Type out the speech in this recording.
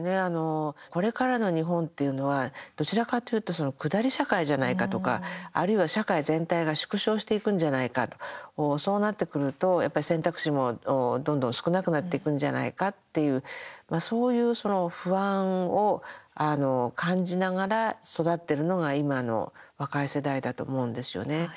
これからの日本ていうのはどちらかというと下り社会じゃないかとかあるいは社会全体が縮小していくんじゃないかそうなってくると選択肢もどんどん少なくなっていくんじゃないかっていう、そういう不安を感じながら育っているのが今の若い世代だと思うんですよね。